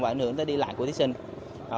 và ảnh hưởng tới đi lại của thí sinh